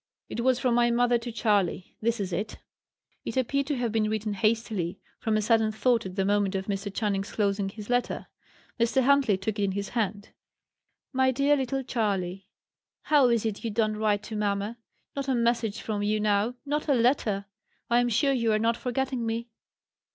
"It was from my mother to Charley. This is it." It appeared to have been written hastily perhaps from a sudden thought at the moment of Mr. Channing's closing his letter. Mr. Huntley took it in his hand. "MY DEAR LITTLE CHARLEY," "How is it you do not write to mamma? Not a message from you now: not a letter! I am sure you are not forgetting me."